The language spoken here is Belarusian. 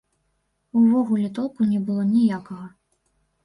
Увогуле, толку не было ніякага.